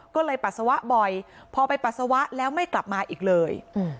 ก็เลยปัสสาวะบ่อยพอไปปัสสาวะแล้วไม่กลับมาอีกเลย